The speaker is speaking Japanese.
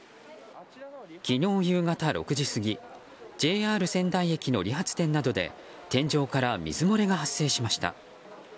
昨日夕方６時過ぎＪＲ仙台駅の理髪店などで天井から水漏れが発生しました。